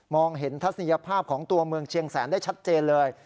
เห็นทัศนียภาพของตัวเมืองเชียงแสนได้ชัดเจนเลย